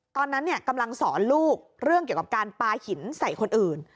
ตอนนั้นกำลังสอนลูกเรื่องเกี่ยวกับการปลาหินใส่คนอื่น